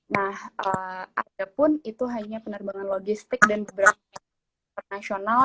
nah ataupun itu hanya penerbangan logistik dan beberapa perusahaan internasional